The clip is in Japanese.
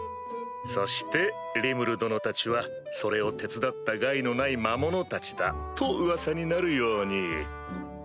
そしてリムル殿たちはそれを手伝った害のない魔物たちだと噂になるように。